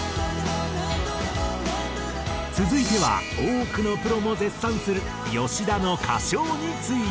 続いては多くのプロも絶賛する吉田の歌唱について。